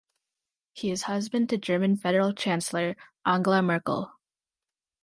He is husband to German federal Chancellor, Angela Merkel.